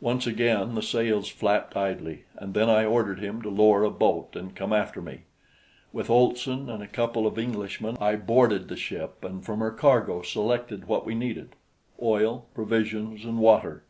Once again the sails flapped idly, and then I ordered him to lower a boat and come after me. With Olson and a couple of the Englishmen I boarded the ship, and from her cargo selected what we needed oil, provisions and water.